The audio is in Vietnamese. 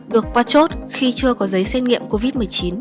được qua chốt khi chưa có giấy xét nghiệm covid một mươi chín